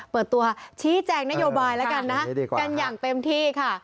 เปิดตัวชี้แจงนโยบายแล้วกันนะกันอย่างเต็มที่ค่ะ